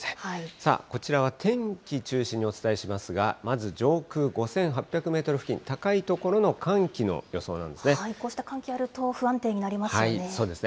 さあ、こちらは天気中心にお伝えしますが、まず上空５８００メートル付近、高い所の寒気の予想なんですね。